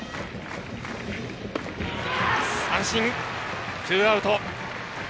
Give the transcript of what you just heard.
三振、ツーアウト。